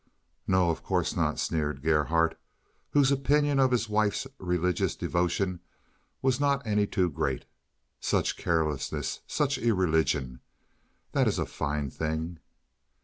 "No, of course not," sneered Gerhardt, whose opinion of his wife's religious devotion was not any too great. "Such carelessness! Such irreligion! That is a fine thing."